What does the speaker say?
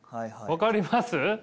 分かります？